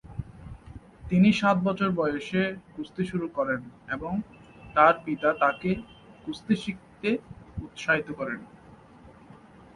তিনি সাত বছর বয়সে কুস্তি শুরু করেন এবং তার পিতা তাকে কুস্তি শিখতে উৎসাহিত করেন।